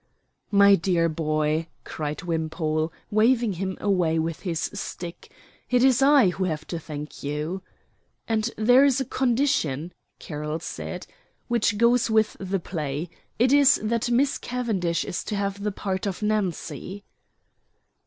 "My dear boy," cried Wimpole, waving him away with his stick, "it is I who have to thank you." "And and there is a condition," Carroll said, "which goes with the play. It is that Miss Cavendish is to have the part of Nancy."